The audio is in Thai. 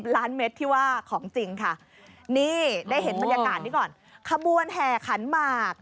ล้านเม็ดที่ว่าของจริงค่ะนี่ได้เห็นบรรยากาศนี้ก่อนขบวนแห่ขันหมาก